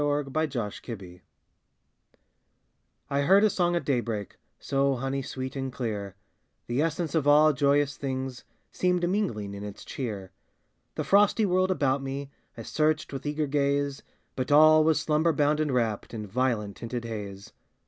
THE FIRST RED BIRD I heard a song at daybreak, So honey sweet and clear, The essence of all joyous things Seemed mingling in its cheer. The frosty world about me I searched with eager gaze, But all was slumber bound and wrapped In violet tinted haze.